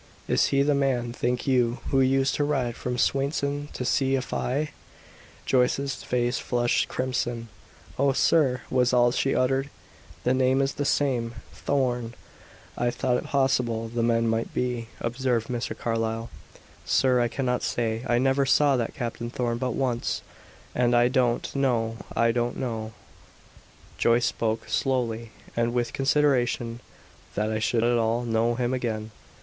"Is he the man, think you, who used to ride from Swainson to see Afy?" Joyce's face flushed crimson. "Oh, sir!" was all she uttered. "The name is the same Thorn; I thought it possible the men might be," observed Mr. Carlyle. "Sir, I cannot say. I never saw that Captain Thorn but once, and I don't know, I don't know " Joyce spoke slowly and with consideration "that I should at all know him again.